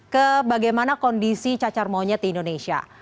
ke bagaimana kondisi cacar monyet di indonesia